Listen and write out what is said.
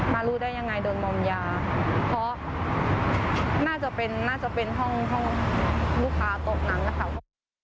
มารู้ได้ยังไงโดนมมยาเพราะน่าจะเป็นน่าจะเป็นห้องลูกค้าตกหนังนะครับ